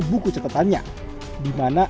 buku catatannya dimana